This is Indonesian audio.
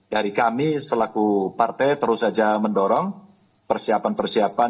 dari kami selaku partai terus saja mendorong persiapan persiapan